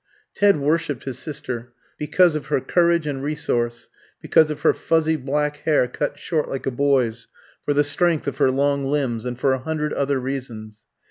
Ted worshipped his sister, because of her courage and resource, because of her fuzzy black hair cut short like a boy's, for the strength of her long limbs, and for a hundred other reasons.